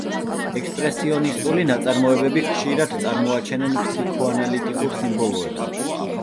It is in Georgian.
ექსპრესიონისტული ნაწარმოებები ხშირად წარმოაჩენენ ფსიქოანალიტიკურ სიმბოლოებს.